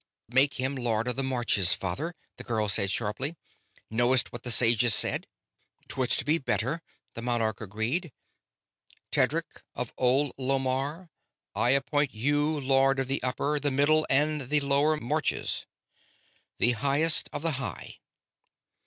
"Make him Lord of the Marches, father," the girl said, sharply. "Knowst what the sages said." "'Twould be better," the monarch agreed. "Tedric of old Lomarr, I appoint you Lord of the Upper, the Middle, and the Lower Marches, the Highest of the High."